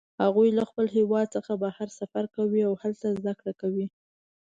هغوی له خپل هیواد څخه بهر سفر کوي او هلته زده کړه کوي